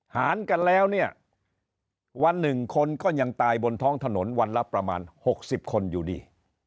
หารกันแล้วเนี่ยวันหนึ่งคนก็ยังตายบนท้องถนนวันละประมาณ๖๐คนอยู่ดี